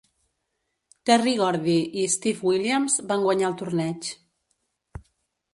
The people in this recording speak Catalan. Terry Gordy i Steve Williams van guanyar el torneig.